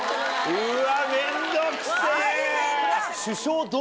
うわ面倒くせぇ。